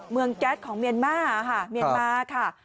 แก๊สของเมียนมาค่ะเมียนมาค่ะ